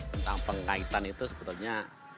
tentang pengaitan itu sebetulnya